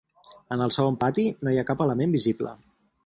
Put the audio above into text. En el segon pati no hi ha cap element visible.